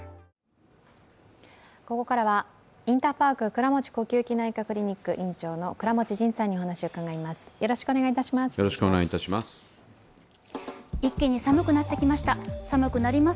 ここからはインターパーク倉持呼吸器内科クリニック、倉持仁さんにお話を伺います。